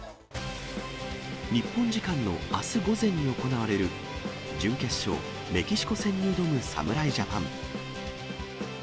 日本時間のあす午前に行われる、準決勝、メキシコ戦に挑む侍ジャパン。